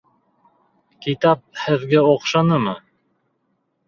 Китап һеҙгә оҡшанымы?